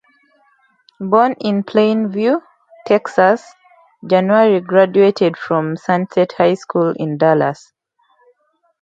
Born in Plainview, Texas, January graduated from Sunset High School in Dallas.